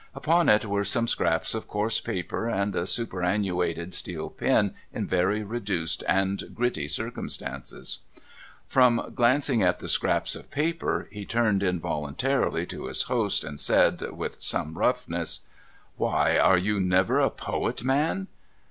Upon it were some scraps of coarse paper, and a superannuated steel pen in very reduced and gritty circumstances. From glancing at the scraps of paper, he turned involuntarily to his host, and said, with some roughness ; A COMPOSER OF COMIC SONGS 419 * Why, you are never a poet, man